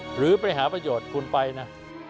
หรือไปหาประโยชน์คุณไปนะ